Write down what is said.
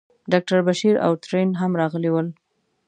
ډاکټر بشیر او ترین هم راغلي ول.